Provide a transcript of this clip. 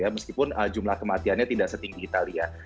meskipun jumlah kematiannya tidak setinggi italia